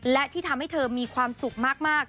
และที่ทำให้เธอมีความสุขมาก